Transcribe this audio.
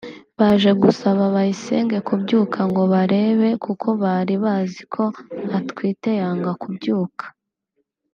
Baje gusaba Bayisenge kubyuka ngo barebe kuko bari bazi ko atwite yanga kubyuka